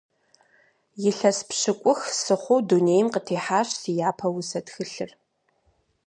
Илъэс пщыкӏух сыхъуу дунейм къытехьащ си япэ усэ тхылъыр.